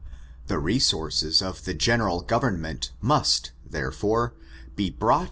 The resources of the general goveminent must, therefore, be brought ^